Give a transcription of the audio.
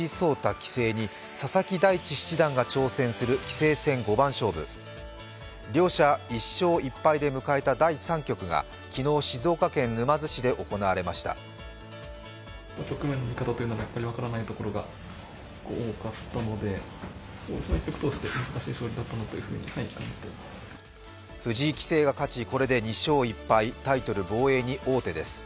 棋聖に佐々木大地七段が挑戦する棋聖戦五番勝負。両者１勝１敗で迎えた第３局が昨日、静岡県沼津市で行われました藤井棋聖が勝ち、これで２勝１敗、タイトル防衛に王手です。